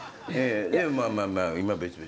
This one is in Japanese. まあまあ今別々。